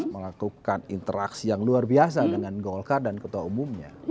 melakukan interaksi yang luar biasa dengan golkar dan ketua umumnya